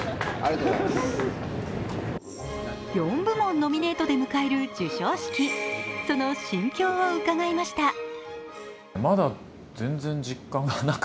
４部門ノミネートで迎える授賞式その心境を伺いました。